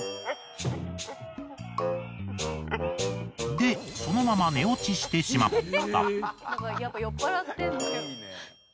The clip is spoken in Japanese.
でそのまま寝落ちしてしまった。